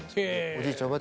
おじいちゃん